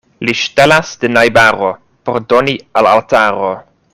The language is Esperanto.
Li ŝtelas de najbaro, por doni al altaro.